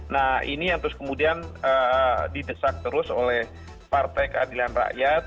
nah ini yang terus kemudian didesak terus oleh partai keadilan rakyat